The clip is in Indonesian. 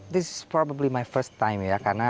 ini mungkin pertama kali saya melakukannya